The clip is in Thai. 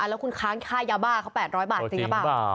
แล้วคุณค้างค่ายาบ้าเขา๘๐๐บาทนะครับ